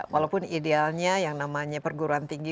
walaupun idealnya yang namanya perguruan tinggi